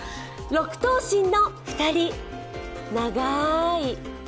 ６頭身の２人、長い。